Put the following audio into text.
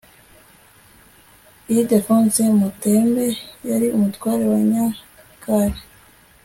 ildefonsi mutembe yari umutware wa nyakare